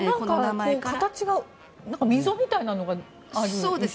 形が溝みたいなのがある石なんですね。